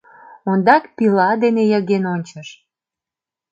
Ондак пила дене йыген ончыш.